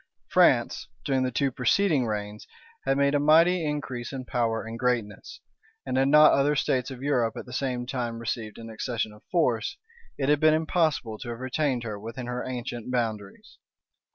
France, during the two preceding reigns, had made a mighty increase in power and greatness; and had not other states of Europe at the same time received an accession of force, it had been impossible to have retained her within her ancient boundaries.